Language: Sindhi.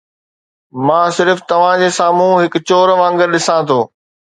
مان صرف توهان جي سامهون هڪ چور وانگر ڏسان ٿو.